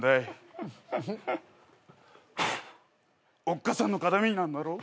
おっかさんの形見なんだろ？